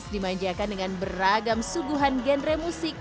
dimanjakan dengan beragam suguhan genre musik